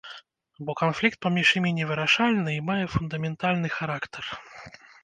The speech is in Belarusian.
Бо канфлікт паміж імі невырашальны і мае фундаментальны характар.